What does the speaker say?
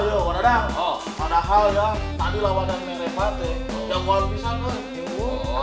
yang kebal bisa kan